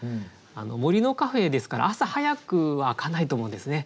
「森のカフェ」ですから朝早くは開かないと思うんですね。